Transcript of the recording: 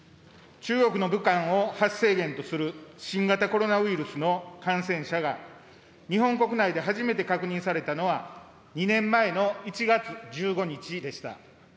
中国の武漢を発生源とする新型コロナウイルスの感染者が、日本国内で初めて確認されたのは、２年前の１月１５日でした。